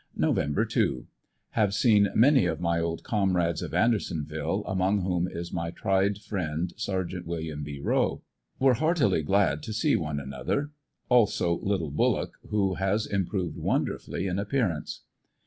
Nov. 2. — Have seen many of my old comrades of Anderson ville, among whom is my tried friend Sergt. Wm. B. Kowe; were heart ily glad to see one onother; also little Bulluck who has improved wonderfully in appearance.